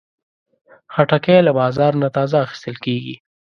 خټکی له بازار نه تازه اخیستل کېږي.